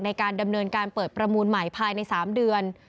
ในการดำเนินการเปิดประมูลใหม่ภายใน๓เดือน